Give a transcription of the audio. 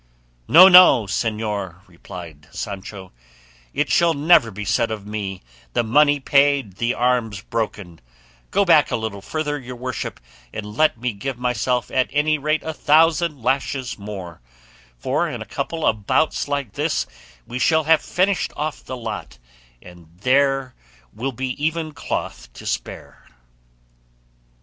'" "No, no, señor," replied Sancho; "it shall never be said of me, 'The money paid, the arms broken;' go back a little further, your worship, and let me give myself at any rate a thousand lashes more; for in a couple of bouts like this we shall have finished off the lot, and there will be even cloth to spare."